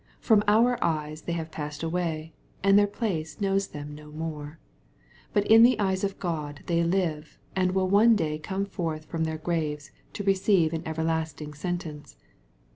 From our eyes they have passed away, and their place knows them no more. But in the eyes of God they live, and will one day come ior^ from their graves to receive an everlasting sentence.